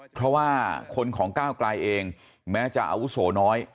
เพราะว่าคนของก้าวกลายเองแม้จะอาวุโสน้อย